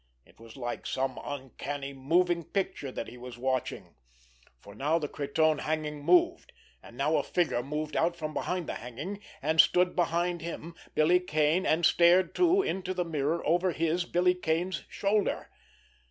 It was like some uncanny moving picture that he was watching. For now the cretonne hanging moved; and now a figure moved out from behind the hanging, and stood behind him, Billy Kane, and stared, too, into the mirror, over his, Billy Kane's, shoulder.